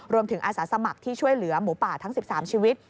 อาสาสมัครที่ช่วยเหลือหมูป่าทั้ง๑๓ชีวิต